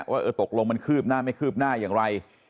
ว่าเออตกลงมันคืบหน้าไม่คืบหน้าอย่างไร